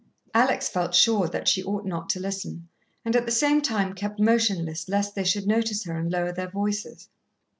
Alex felt sure that she ought not to listen, and at the same time kept motionless lest they should notice her and lower their voices.